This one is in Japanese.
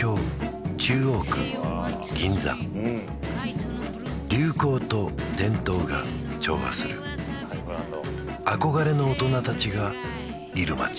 東京流行と伝統が調和する憧れの大人たちがいる街